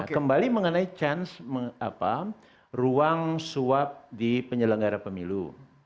kembali mengenai chance ruang suap di penyelenggara pemilu